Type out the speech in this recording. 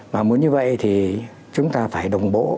và muốn như vậy thì chúng ta phải đồng bộ